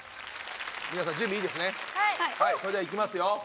それではいきますよ。